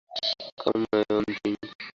Come on, Jimmy.